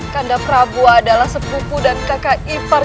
kanda prabu adalah sepupu dan kakak ipar